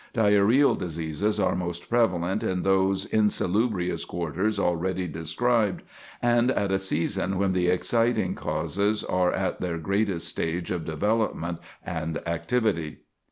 Diarrhoeal diseases are most prevalent in those insalubrious quarters already described, and at a season when the exciting causes are at their greatest stage of development and activity.